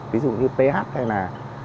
ví dụ như ph hay là